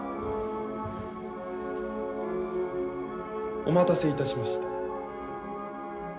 お待たせいたしました。